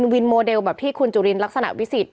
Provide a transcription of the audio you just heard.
วินโมเดลแบบที่คุณจุลินลักษณะวิสิทธ